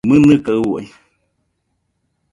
¡Mɨnɨka uai!